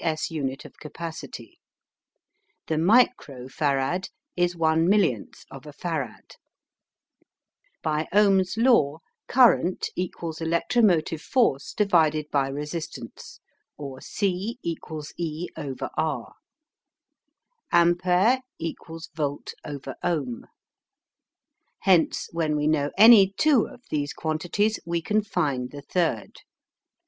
S. unit of capacity. The micro farad is one millionth of a Farad. By Ohm's Law, Current = Electromotive Force/ Resistance, or C = E/R Ampere = Volt/Ohm Hence when we know any two of these quantities, we can find the third.